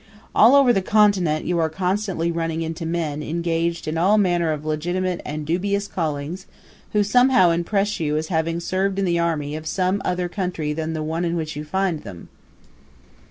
All over the Continent you are constantly running into men engaged in all manner of legitimate and dubious callings, who somehow impress you as having served in the army of some other country than the one in which you find them.